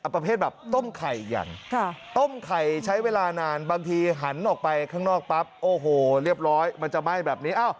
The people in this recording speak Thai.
ประเภทแบบต้มไข่ยันต้มไข่ใช้เวลานานบางทีหันออกไปข้างนอกปั๊บโอ้โหเรียบร้อยมันจะไหม้แบบนี้